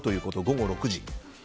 午後６時。